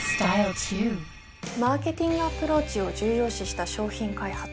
マーケティングアプローチを重要視した商品開発。